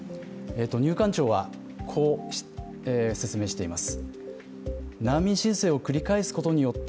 入管庁はこう説明しています。